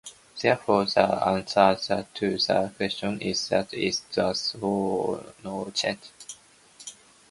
Therefore, the answer to the question is that it does not change.